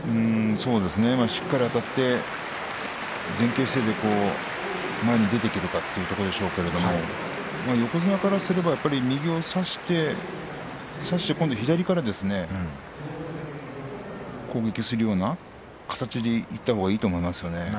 しっかりあたって前傾姿勢で前に出ていけるかということでしょうが横綱からすれば右を差して今度は左から攻撃するような形でいったほうがいいと思いますよね。